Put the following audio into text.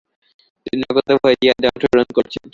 তিনি অকুতোভয়ে জিহাদে অংশ গ্রহণ করেছেন।